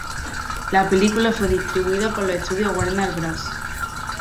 La película fue distribuida por los estudios Warner Bros.